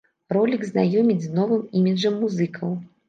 Ролік знаёміць з новым іміджам музыкаў.